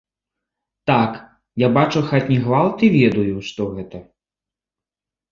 Так, я бачыў хатні гвалт і ведаю, што гэта.